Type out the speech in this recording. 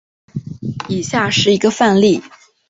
以下是一个范例。